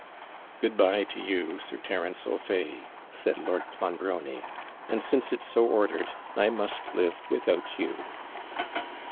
'Good bye to you, Sir Terence O'Fay,' said Lord Clonbrony; 'and, since it's so ordered, I must live without you.'